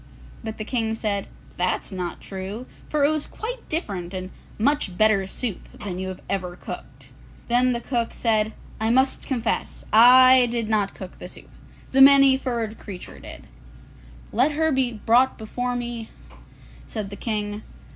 But the King said, 'That's not true, for it was quite different and much better soup than you have ever cooked.' Then the cook said, 'I must confess; I did not cook the soup; the Many furred Creature did.' 'Let her be brought before me,' said the King.